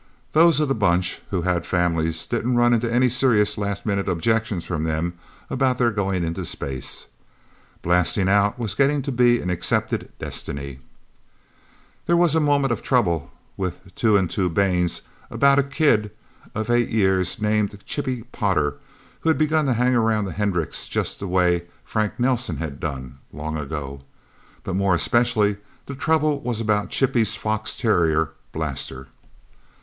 Those of the Bunch who had families didn't run into any serious last minute objections from them about their going into space. Blasting out was getting to be an accepted destiny. There was a moment of trouble with Two and Two Baines about a kid of eight years named Chippie Potter, who had begun to hang around Hendricks' just the way Frank Nelsen had done, long ago. But more especially, the trouble was about Chippie's fox terrier, Blaster.